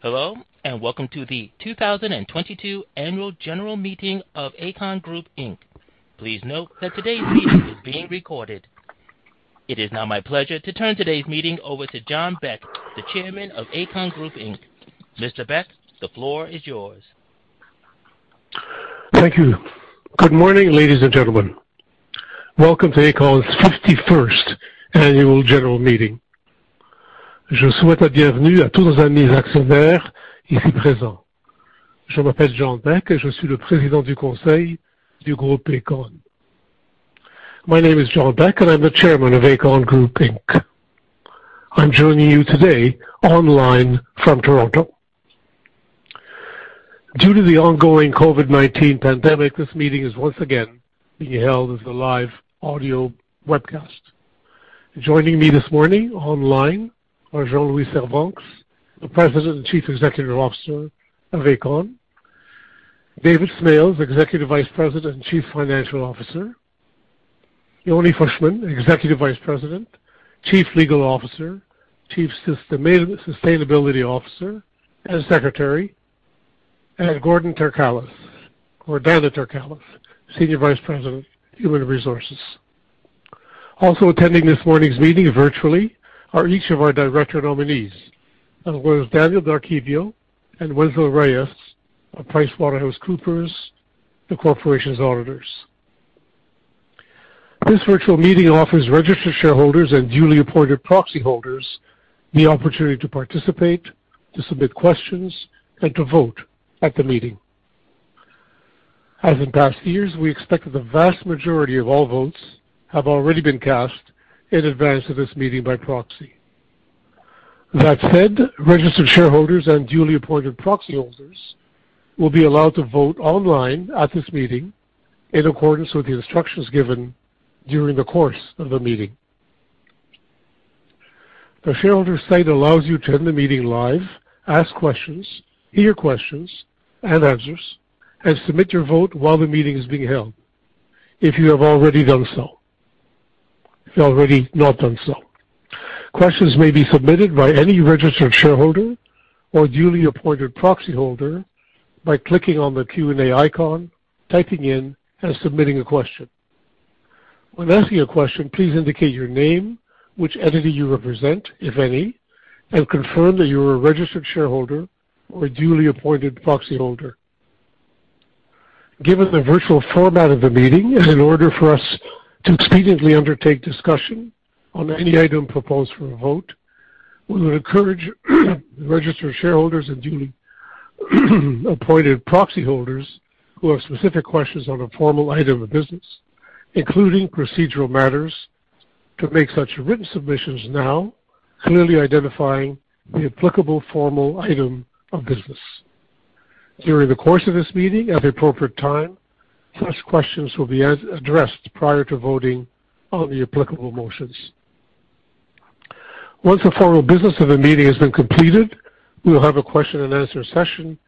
Hello, and welcome to the 2022 Annual General Meeting of Aecon Group Inc. Please note that today's meeting is being recorded. It is now my pleasure to turn today's meeting over to John Beck, the Chairman of Aecon Group Inc. Mr. Beck, the floor is yours. Thank you. Good morning, ladies and gentlemen. Welcome to Aecon's fifty-first annual general meeting. My name is John Beck, and I'm the Chairman of Aecon Group Inc. I'm joining you today online from Toronto. Due to the ongoing COVID-19 pandemic, this meeting is once again being held as a live audio webcast. Joining me this morning online are Jean-Louis Servranckx, the President and Chief Executive Officer of Aecon. David Smales, Executive Vice President and Chief Financial Officer. Yonni Fushman, Executive Vice President, Chief Legal Officer, Chief Sustainability Officer, and Secretary. Gordana Terkalas, Senior Vice President, Human Resources. Also attending this morning's meeting virtually are each of our director nominees, as well as Daniel Githitho and Wenzel Reyes of PricewaterhouseCoopers, the corporation's auditors. This virtual meeting offers registered shareholders and duly appointed proxy holders the opportunity to participate, to submit questions, and to vote at the meeting. As in past years, we expect that the vast majority of all votes have already been cast in advance of this meeting by proxy. That said, registered shareholders and duly appointed proxy holders will be allowed to vote online at this meeting in accordance with the instructions given during the course of the meeting. The shareholder site allows you to attend the meeting live, ask questions, hear questions and answers, and submit your vote while the meeting is being held. If you have not already done so, questions may be submitted by any registered shareholder or duly appointed proxy holder by clicking on the Q&A icon, typing in, and submitting a question. When asking a question, please indicate your name, which entity you represent, if any, and confirm that you're a registered shareholder or a duly appointed proxy holder. Given the virtual format of the meeting, and in order for us to expediently undertake discussion on any item proposed for a vote, we would encourage the registered shareholders and duly appointed proxy holders who have specific questions on a formal item of business, including procedural matters, to make such written submissions now, clearly identifying the applicable formal item of business. During the course of this meeting, at the appropriate time, such questions will be addressed prior to voting on the applicable motions. Once the formal business of the meeting has been completed, we will have a question and answer session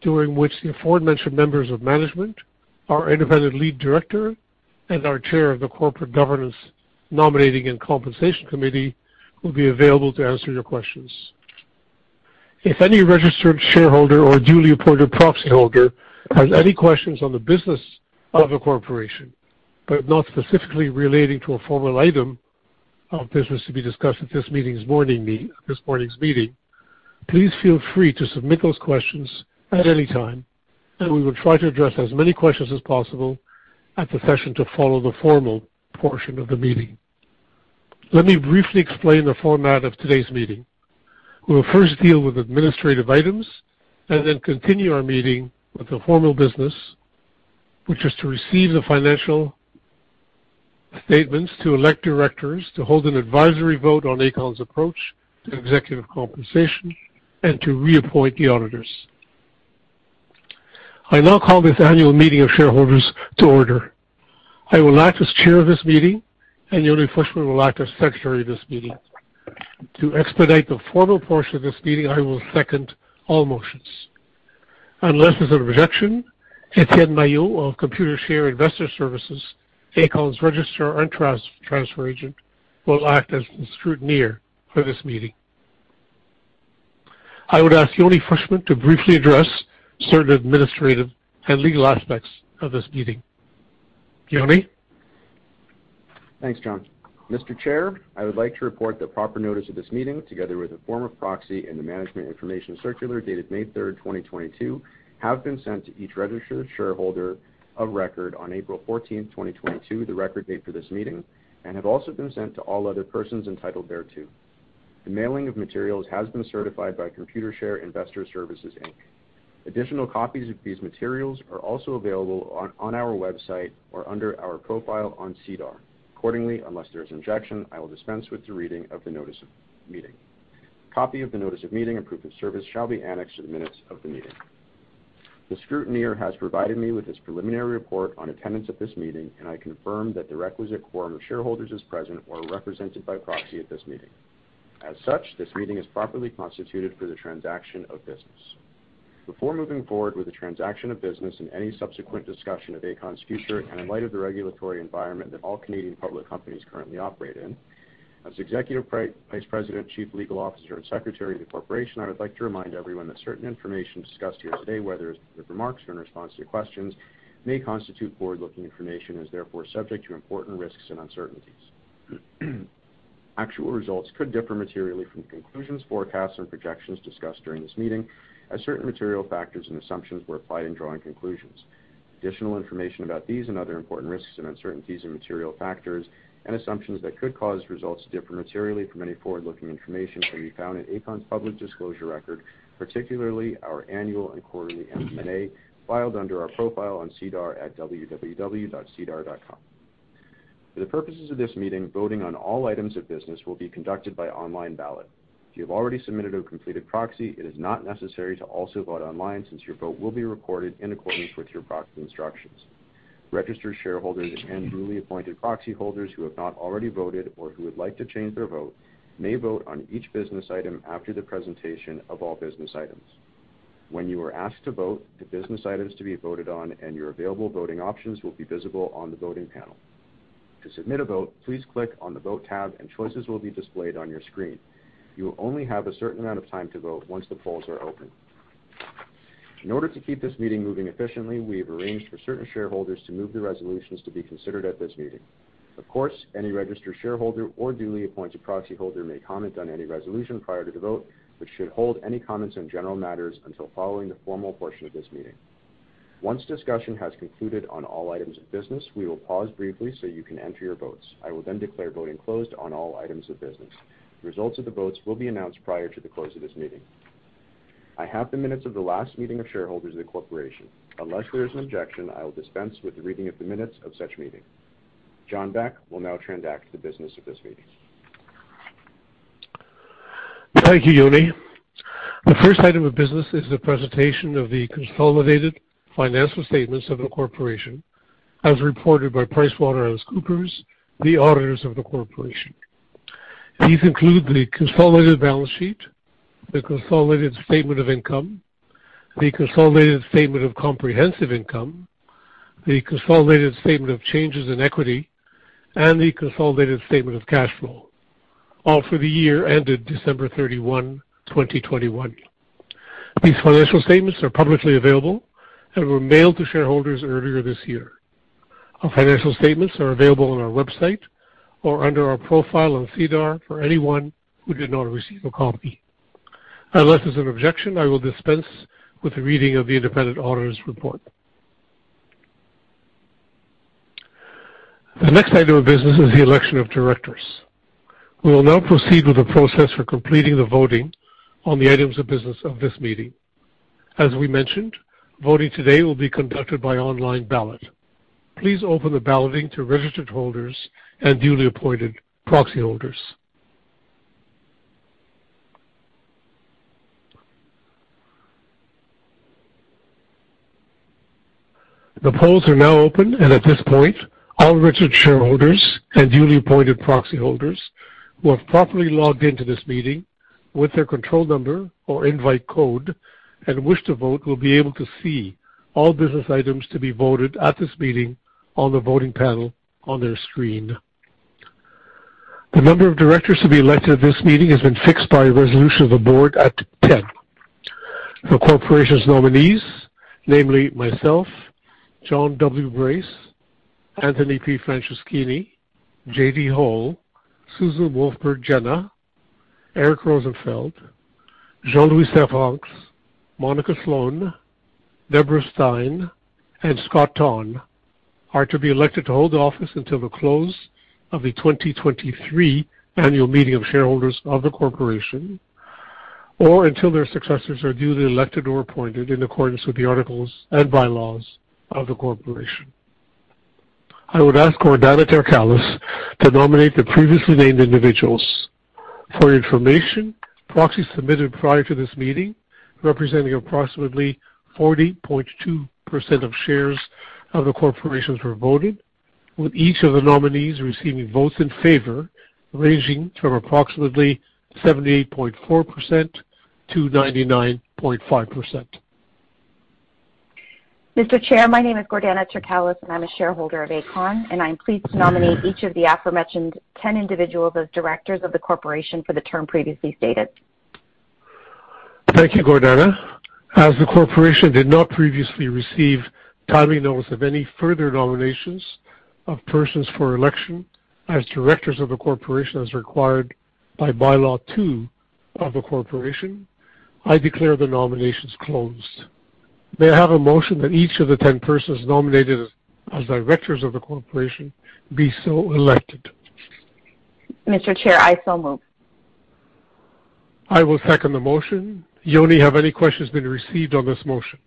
during which the aforementioned members of management, our independent lead director, and our chair of the corporate governance nominating and compensation committee will be available to answer your questions. If any registered shareholder or duly appointed proxy holder has any questions on the business of the corporation, but not specifically relating to a formal item of business to be discussed at this morning's meeting, please feel free to submit those questions at any time, and we will try to address as many questions as possible at the session to follow the formal portion of the meeting. Let me briefly explain the format of today's meeting. We will first deal with administrative items and then continue our meeting with the formal business, which is to receive the financial statements, to elect directors, to hold an advisory vote on Aecon's approach to executive compensation, and to reappoint the auditors. I now call this annual meeting of shareholders to order. I will act as chair of this meeting, and Yonni Fushman will act as secretary of this meeting. To expedite the formal portion of this meeting, I will second all motions. Unless there's an objection, Etienne Mailloux of Computershare Investor Services, Aecon's registrar and transfer agent, will act as the scrutineer for this meeting. I would ask Yonni Fushman to briefly address certain administrative and legal aspects of this meeting. Yonni? Thanks, John. Mr. Chair, I would like to report the proper notice of this meeting, together with a form of proxy and the Management Information Circular dated May 3rd, 2022, have been sent to each registered shareholder of record on April 14th, 2022, the record date for this meeting, and have also been sent to all other persons entitled thereto. The mailing of materials has been certified by Computershare Investor Services Inc. Additional copies of these materials are also available on our website or under our profile on SEDAR. Accordingly, unless there is objection, I will dispense with the reading of the notice of meeting. Copy of the notice of meeting and proof of service shall be annexed to the minutes of the meeting. The scrutineer has provided me with his preliminary report on attendance at this meeting, and I confirm that the requisite quorum of shareholders is present or represented by proxy at this meeting. As such, this meeting is properly constituted for the transaction of business. Before moving forward with the transaction of business and any subsequent discussion of Aecon's future and in light of the regulatory environment that all Canadian public companies currently operate in. As Executive Vice President, Chief Legal Officer, and Secretary of the Corporation, I would like to remind everyone that certain information discussed here today, whether it's the remarks or in response to questions, may constitute forward-looking information and is therefore subject to important risks and uncertainties. Actual results could differ materially from conclusions, forecasts, and projections discussed during this meeting as certain material factors and assumptions were applied in drawing conclusions. Additional information about these and other important risks and uncertainties and material factors and assumptions that could cause results to differ materially from any forward-looking information can be found in Aecon's public disclosure record, particularly our annual and quarterly MD&A, filed under our profile on SEDAR at www.sedar.com. For the purposes of this meeting, voting on all items of business will be conducted by online ballot. If you have already submitted a completed proxy, it is not necessary to also vote online since your vote will be recorded in accordance with your proxy instructions. Registered shareholders and duly appointed proxy holders who have not already voted or who would like to change their vote may vote on each business item after the presentation of all business items. When you are asked to vote, the business items to be voted on and your available voting options will be visible on the voting panel. To submit a vote, please click on the Vote tab and choices will be displayed on your screen. You will only have a certain amount of time to vote once the polls are open. In order to keep this meeting moving efficiently, we have arranged for certain shareholders to move the resolutions to be considered at this meeting. Of course, any registered shareholder or duly appointed proxy holder may comment on any resolution prior to the vote, but should hold any comments on general matters until following the formal portion of this meeting. Once discussion has concluded on all items of business, we will pause briefly so you can enter your votes. I will then declare voting closed on all items of business. The results of the votes will be announced prior to the close of this meeting. I have the minutes of the last meeting of shareholders of the corporation. Unless there is an objection, I will dispense with the reading of the minutes of such meeting. John Beck will now transact the business of this meeting. Thank you, Yonni. The first item of business is the presentation of the consolidated financial statements of the corporation as reported by PricewaterhouseCoopers, the auditors of the corporation. These include the consolidated balance sheet, the consolidated statement of income, the consolidated statement of comprehensive income, the consolidated statement of changes in equity, and the consolidated statement of cash flow, all for the year ended December 31, 2021. These financial statements are publicly available and were mailed to shareholders earlier this year. Our financial statements are available on our website or under our profile on SEDAR for anyone who did not receive a copy. Unless there's an objection, I will dispense with the reading of the independent auditor's report. The next item of business is the election of directors. We will now proceed with the process for completing the voting on the items of business of this meeting. As we mentioned, voting today will be conducted by online ballot. Please open the balloting to registered holders and duly appointed proxy holders. The polls are now open, and at this point, all registered shareholders and duly appointed proxy holders who have properly logged into this meeting with their control number or invite code and wish to vote will be able to see all business items to be voted at this meeting on the voting panel on their screen. The number of directors to be elected at this meeting has been fixed by resolution of the board at 10. The corporation's nominees, namely myself, John W. Brace, Anthony P. Franceschini, J.D. Hole, Susan Wolburgh Jenah, Eric Rosenfeld, Jean-Louis Servranckx, Monica Sloan, Deborah Stein, and Scott Thon, are to be elected to hold office until the close of the 2023 annual meeting of shareholders of the corporation or until their successors are duly elected or appointed in accordance with the articles and bylaws of the corporation. I would ask Gordana Terkalas to nominate the previously named individuals. For your information, proxies submitted prior to this meeting, representing approximately 40.2% of shares of the corporation, were voted, with each of the nominees receiving votes in favor, ranging from approximately 78.4% to 99.5%. Mr. Chair, my name is Gordana Terkalas, and I'm a shareholder of Aecon, and I'm pleased to nominate each of the aforementioned 10 individuals as directors of the corporation for the term previously stated. Thank you, Gordana. As the corporation did not previously receive timely notice of any further nominations of persons for election as directors of the corporation, as required by Bylaw 2 of the corporation, I declare the nominations closed. May I have a motion that each of the 10 persons nominated as directors of the corporation be so elected. Mr. Chair, I so move. I will second the motion. Yonni, have any questions been received on this motion?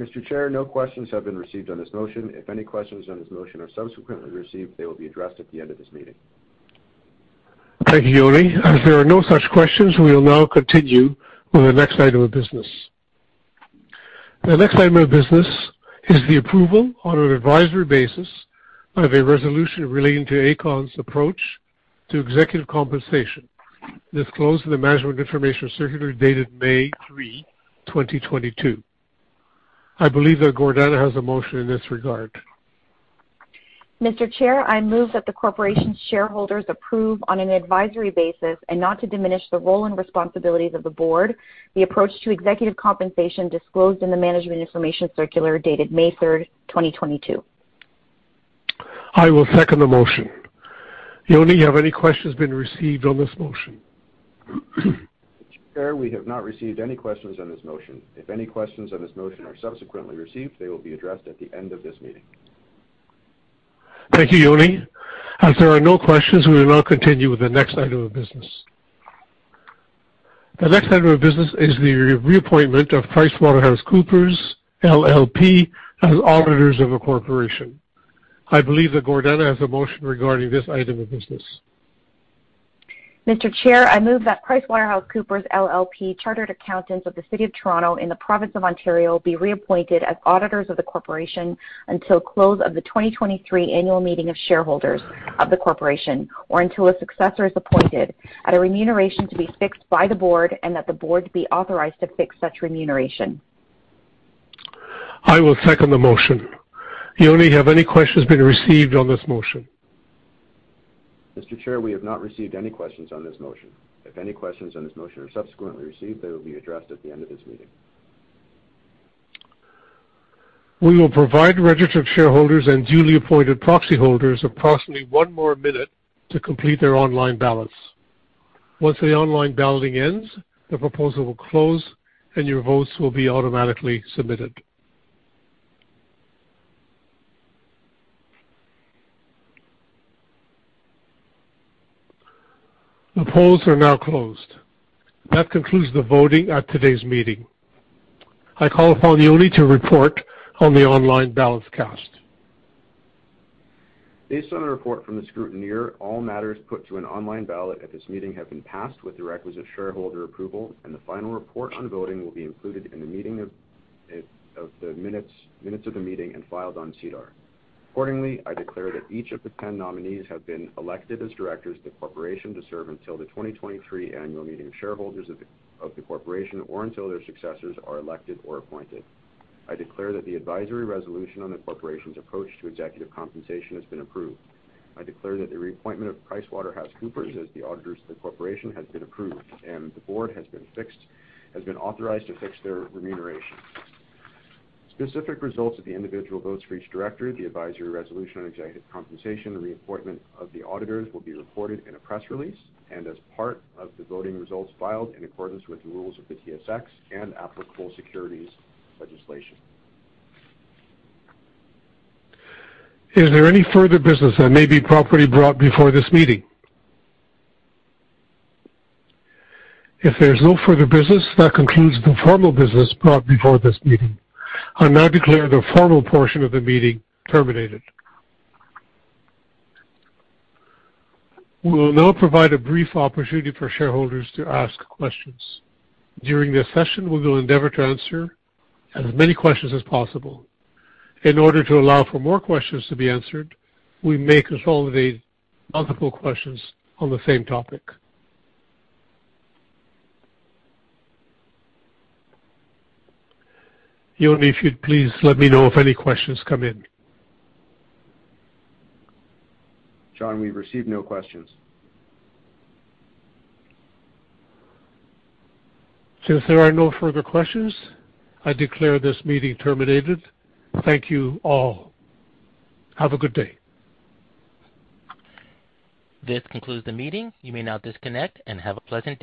Mr. Chair, no questions have been received on this motion. If any questions on this motion are subsequently received, they will be addressed at the end of this meeting. Thank you, Yonni. As there are no such questions, we will now continue with the next item of business. The next item of business is the approval on an advisory basis of a resolution relating to Aecon's approach to executive compensation. Disclosed in the management information circular dated May 3, 2022. I believe that Gordana has a motion in this regard. Mr. Chair, I move that the corporation's shareholders approve on an advisory basis and not to diminish the role and responsibilities of the board. The approach to executive compensation disclosed in the management information circular dated May 3rd, 2022. I will second the motion. Yonni, have any questions been received on this motion? Mr. Chair, we have not received any questions on this motion. If any questions on this motion are subsequently received, they will be addressed at the end of this meeting. Thank you, Yonni. As there are no questions, we will now continue with the next item of business. The next item of business is the reappointment of PricewaterhouseCoopers LLP, as auditors of a corporation. I believe that Gordana has a motion regarding this item of business. Mr. Chair, I move that PricewaterhouseCoopers LLP, chartered accountants of the city of Toronto in the province of Ontario, be reappointed as auditors of the corporation until close of the 2023 annual meeting of shareholders of the corporation, or until a successor is appointed at a remuneration to be fixed by the board and that the board be authorized to fix such remuneration. I will second the motion. Yonni, have any questions been received on this motion? Mr. Chair, we have not received any questions on this motion. If any questions on this motion are subsequently received, they will be addressed at the end of this meeting. We will provide registered shareholders and duly appointed proxy holders approximately one more minute to complete their online ballots. Once the online balloting ends, the proposal will close and your votes will be automatically submitted. The polls are now closed. That concludes the voting at today's meeting. I call upon Yonni to report on the online ballots cast. Based on a report from the scrutineer, all matters put to an online ballot at this meeting have been passed with the requisite shareholder approval, and the final report on voting will be included in the minutes of the meeting and filed on SEDAR. Accordingly, I declare that each of the 10 nominees have been elected as directors of the corporation to serve until the 2023 annual meeting of shareholders of the corporation or until their successors are elected or appointed. I declare that the advisory resolution on the corporation's approach to executive compensation has been approved. I declare that the reappointment of PricewaterhouseCoopers as the auditors of the corporation has been approved, and the board has been authorized to fix their remuneration. Specific results of the individual votes for each director, the advisory resolution on executive compensation, the reappointment of the auditors will be reported in a press release and as part of the voting results filed in accordance with the rules of the TSX and applicable securities legislation. Is there any further business that may be properly brought before this meeting? If there's no further business, that concludes the formal business brought before this meeting. I now declare the formal portion of the meeting terminated. We will now provide a brief opportunity for shareholders to ask questions. During this session, we will endeavor to answer as many questions as possible. In order to allow for more questions to be answered, we may consolidate multiple questions on the same topic. Yonni, if you'd please let me know if any questions come in. John, we've received no questions. Since there are no further questions, I declare this meeting terminated. Thank you all. Have a good day. This concludes the meeting. You may now disconnect and have a pleasant day.